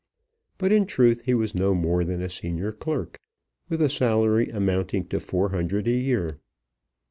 But in truth he was no more than senior clerk, with a salary amounting to four hundred a year.